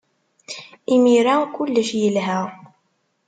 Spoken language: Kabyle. Imir-a, kullec yelha.